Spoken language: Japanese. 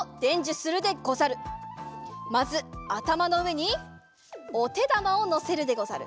まずあたまのうえにおてだまをのせるでござる。